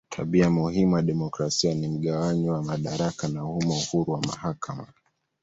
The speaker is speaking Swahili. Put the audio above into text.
Tabia muhimu ya demokrasia ni mgawanyo wa madaraka na humo uhuru wa mahakama.